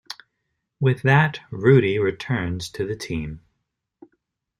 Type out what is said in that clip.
With that, Rudy returns to the team.